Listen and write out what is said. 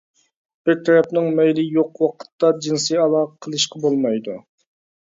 بىر تەرەپنىڭ مەيلى يوق ۋاقىتتا جىنسىي ئالاقە قىلىشقا بولمايدۇ.